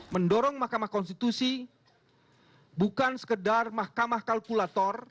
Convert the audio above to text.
mendorong mahkamah konstitusi bukan sekedar mahkamah kalkulator